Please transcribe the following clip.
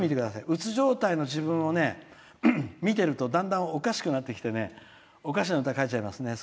うつ状態の自分を見ているとだんだん、おかしくなってきておかしな歌、書いちゃいます。